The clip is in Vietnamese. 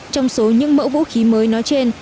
trong số những mẫu vũ khí mới nói trên